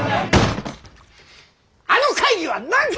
あの会議は何か！